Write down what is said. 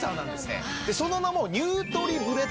その名も。